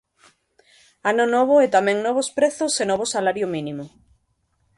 Ano novo e tamén novos prezos e novo salario mínimo.